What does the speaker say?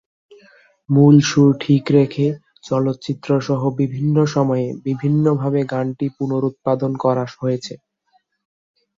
মূল সুর ঠিক রেখে চলচ্চিত্রসহ বিভিন্ন সময়ে বিভিন্নভাবে গানটির পুনরুৎপাদন করা হয়েছে।